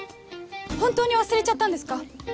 本当に忘れちゃったんですか？